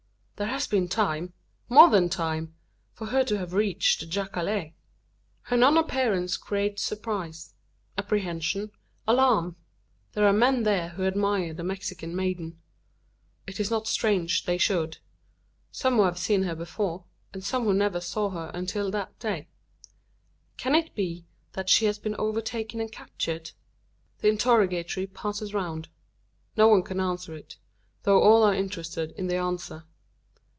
There has been time more than time for her to have reached the jacale! Her non appearance creates surprise apprehension alarm. There are men there who admire the Mexican maiden it is not strange they should some who have seen her before, and some who never saw her until that day. Can it be, that she has been overtaken and captured? The interrogatory passes round. No one can answer it; though all are interested in the answer.